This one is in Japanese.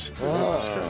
確かに。